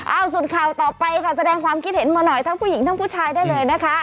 เอาส่วนข่าวต่อไปค่ะแสดงความคิดเห็นมาหน่อยทั้งผู้หญิงทั้งผู้ชายได้เลยนะคะ